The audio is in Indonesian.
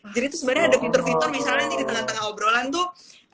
jadi itu sebenarnya ada fitur fitur misalnya di tengah tengah obrolan tuh